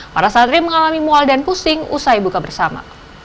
para santri mengalami mual dan pusing usai buka bersama